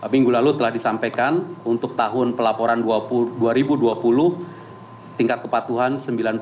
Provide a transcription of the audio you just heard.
minggu lalu telah disampaikan untuk tahun pelaporan dua ribu dua puluh tingkat kepatuhan sembilan puluh sembilan delapan puluh enam